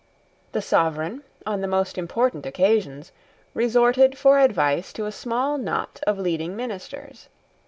The sovereign, on the most important occasions, resorted for advice to a small knot of leading ministers.